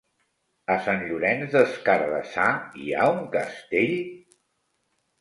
A Sant Llorenç des Cardassar hi ha un castell?